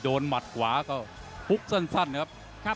โดนหมัดขวาก็ปุ๊กสั้นครับ